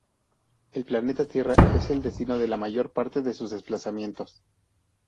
El planeta Tierra es el destino de la mayor parte de sus desplazamientos.